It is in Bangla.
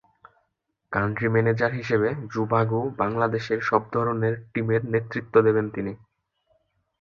কান্ট্রি ম্যানেজার হিসেবে জোভাগো বাংলাদেশের সব ধরনের টিমের নেতৃত্ব দেবেন তিনি।